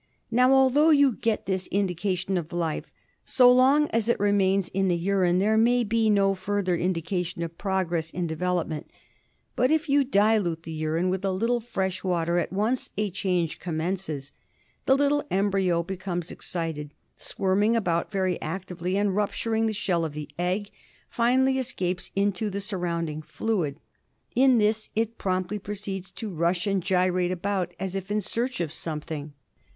Now, although you get this indication of life, so long as it remains in the urine there may be no further indication of progress in de velopment ; but if you dilute the urine with a little fresh water at once a change commences. The little embryo becomes excited, squirming about very actively, and, rupturing the shell of the egg, finally escapes into the surrounding fluid. In this it promptly proceeds to rush and gyrate about as if in search of something.